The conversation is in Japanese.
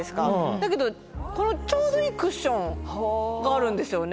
だけどこのちょうどいいクッションがあるんですよね。